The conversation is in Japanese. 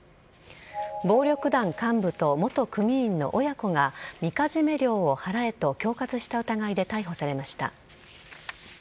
暴力団幹部と元組員の親子が、みかじめ料を払えと恐喝した疑いで逮捕されました。